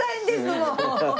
もう。